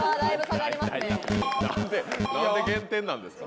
なんで減点なんですか。